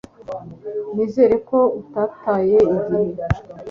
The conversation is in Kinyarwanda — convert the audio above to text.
Nizere ko utataye igihe